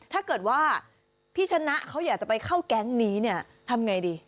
ถ้าเกิดว่าพี่ชนะเขาอยากจะไปเข้าแก๊งนี้เนี่ยทำไงดี